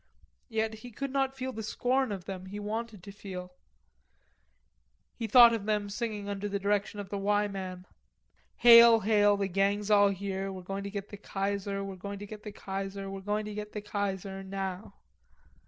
Yet he could not feel the scorn of them he wanted to feel. He thought of them singing under the direction of the "Y" man: "Hail, Hail, the gang's all here; We're going to get the Kaiser, We're going to get the Kaiser, We're going to get the Kaiser, Now!"